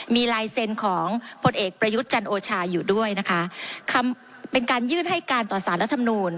มีลายเซ็นต์ของผลเอกประยุทธ์จันโอชาอยู่ด้วยนะคะคำเป็นการยื่นให้การต่อสารรัฐมนูล